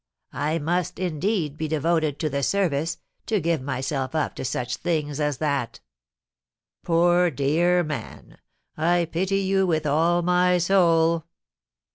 I must, indeed, be devoted to the service, to give myself up to such a thing as that." "Poor, dear man! I pity you with all my soul!"